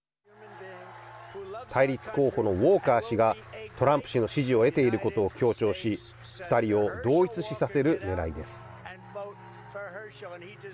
対立候補のウォーカー氏がトランプ氏の支持を得ていることを強調し２人を同一視させるねらいです。